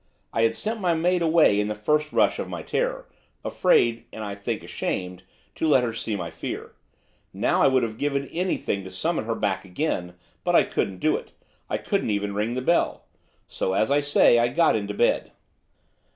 I had sent my maid away in the first rush of my terror, afraid, and, I think, ashamed, to let her see my fear. Now I would have given anything to summon her back again, but I couldn't do it, I couldn't even ring the bell. So, as I say, I got into bed.